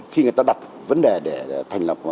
khi người ta đặt vấn đề để thành lập